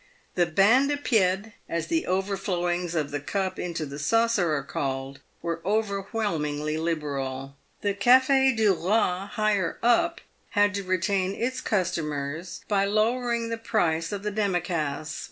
The oains de pied — as the overflowings of the cup into the saucer are called — were overwhelmingly liberal. The Cafe du Boi, higher up, had to retain its customers by lowering the price of the demi tasse PAVED WITH GOLD.